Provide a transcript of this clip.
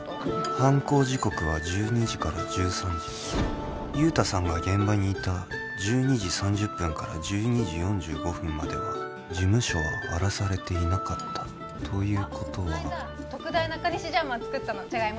犯行時刻は１２時から１３時雄太さんが現場にいた１２時３０分から１２時４５分までは事務所は荒らされていなかったということはこの間特大中西ジャーマン作ったのジャガイモ